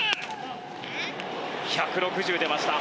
１６０出ました。